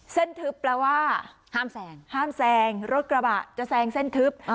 ทึบแปลว่าห้ามแซงห้ามแซงรถกระบะจะแซงเส้นทึบ